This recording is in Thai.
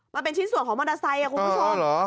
มันเป็นชิ้นส่วนของมอเตอร์ไซค์คุณผู้ชม